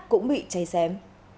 cũng bị cháy xém